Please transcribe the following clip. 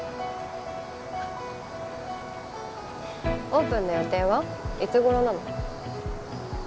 オープンの予定はいつ頃なの？